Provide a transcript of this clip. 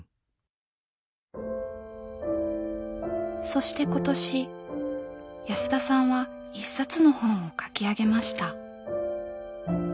そして今年安田さんは一冊の本を書き上げました。